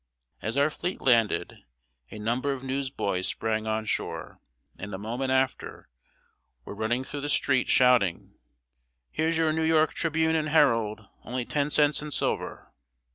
As our fleet landed, a number of news boys sprang on shore, and, a moment after, were running through the street, shouting: "Here's your New York Tribune and Herald only ten cents in silver!"